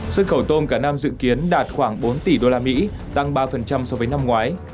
xuất khẩu tôm cả năm dự kiến đạt khoảng bốn tỷ usd tăng ba so với năm ngoái